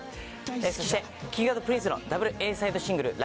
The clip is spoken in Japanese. そしてＫｉｎｇ＆ＰｒｉｎｃｅのダブルＡサイドシングル。